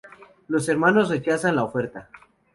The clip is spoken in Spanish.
Los hermanos rechazan la oferta.